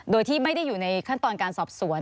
โดยที่ไม่ได้อยู่ในขั้นตอนการสอบสวน